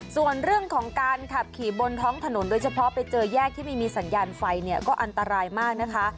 ส่วนเรื่องของการขับขี่บนท้องถนนโดยเฉพาะไปเจอแยกที่ไม่มีสัญญาณไฟเนี่ยก็อันตรายมากนะคะ